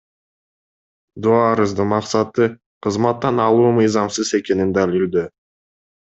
Доо арыздын максаты — кызматтан алуу мыйзамсыз экенин далилдөө.